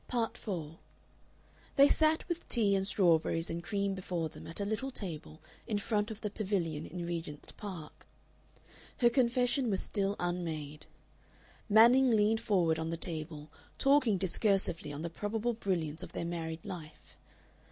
Part 4 They sat with tea and strawberries and cream before them at a little table in front of the pavilion in Regent's Park. Her confession was still unmade. Manning leaned forward on the table, talking discursively on the probable brilliance of their married life.